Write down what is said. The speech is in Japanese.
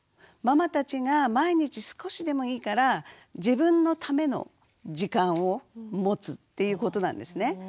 ママたちが毎日少しでもいいから自分のための時間を持つっていうことなんですね。